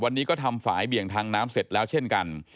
วันนี้ก็ทำฝ่ายเบี่ยงทางน้ำเสร็จแล้วเช่นกัน